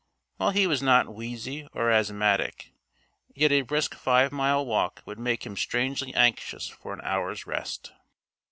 While he was not wheezy or asthmatic, yet a brisk five mile walk would make him strangely anxious for an hour's rest.